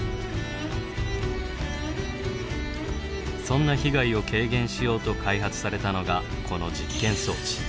そんな被害を軽減しようと開発されたのがこの実験装置。